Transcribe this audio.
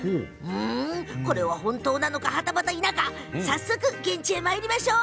これは本当なのかはたまた否か早速、現地へまいりましょう。